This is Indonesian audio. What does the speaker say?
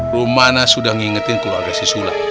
rumana sudah ngingetin keluarga sisula